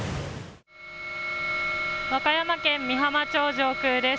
和歌山県美浜町上空です。